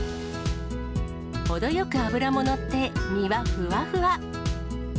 程よく脂も乗って、身はふわふわ。